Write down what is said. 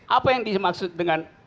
apa yang dimaksud dengan